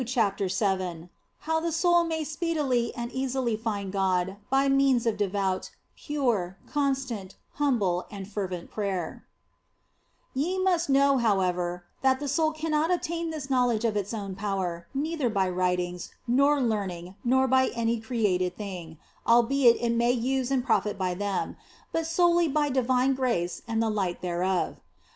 CHAPTER VII HOW THE SOUL MAY SPEEDILY AND EASILY FIND GOD BY MEANS OF DEVOUT, PURE, CONSTANT, HUMBLE, AND FERVENT PRAYER YE must know, however, that the soul cannot obtain this knowledge of its own power, neither by writings, nor learning, nor by any created thing albeit it may use and profit by them but solely by divine grace and the light thereof.